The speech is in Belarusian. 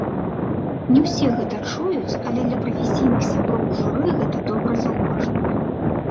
Не ўсе гэта чуюць, але для прафесійных сяброў жыры гэта добра заўважна.